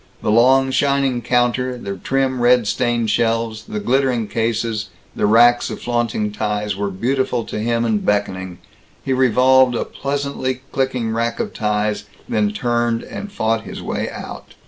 The long shining counter, the trim red stained shelves, the glittering cases, the racks of flaunting ties, were beautiful to him and beckoning. He revolved a pleasantly clicking rack of ties, then turned and fought his way out.